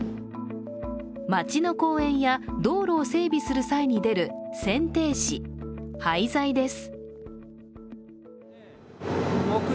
町の公園や道路を整備する際に出る剪定枝＝廃材です。